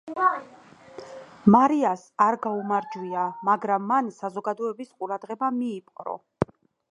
მარიას არ გაუმარჯვია, მაგრამ მან საზოგადოების ყურადღება მიიპყრო.